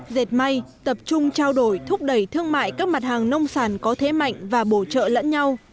dệt may tập trung trao đổi thúc đẩy thương mại các mặt hàng nông sản có thế mạnh và bổ trợ lẫn nhau